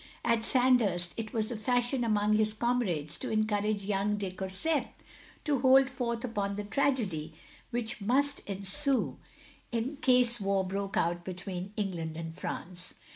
At Sandhurst it was the fashion among his comrades to encourage yoting de Courset to hold forth upon the tragedy which must ensue in 44 THE LONELY LADY case war broke out between England and France.